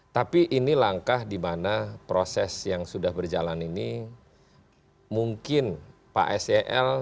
tapi ini langkah di mana proses yang sudah berjalan ini mungkin pak sel